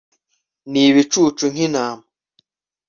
Nibicucu nkintama